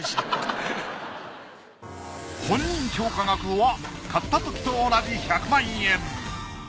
本人評価額は買ったときと同じ１００万円。